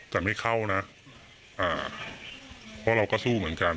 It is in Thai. แต่ไม่เข้านะเพราะเราก็สู้เหมือนกัน